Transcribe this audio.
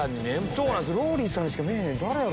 そうなんすよ。